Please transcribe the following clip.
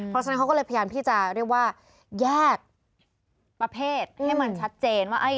เพราะฉะนั้นเขาก็เลยพยายามที่จะเรียกว่าแยกประเภทให้มันชัดเจนว่า